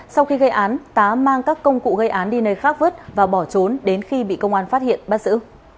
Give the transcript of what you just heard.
sau khi gây án tá mang các công cụ gây án đi nơi khác vứt và bỏ trốn đến khi bị công an phát hiện bắt giữ